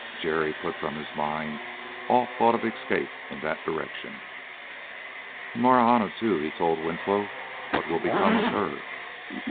Jerry put from his mind all thought of escape in that direction. "And Marahna, too," he told Winslow. "What will become of her?"